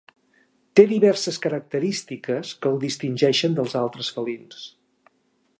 Té diverses característiques que el distingeixen dels altres felins.